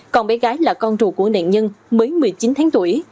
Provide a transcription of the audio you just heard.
còn bé gái là con rùa của nạn nhân mới một mươi chín tháng tuổi